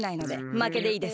まけでいいです。